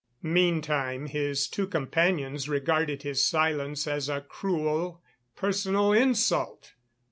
Meantime his two companions regarded his silence as a cruel personal insult.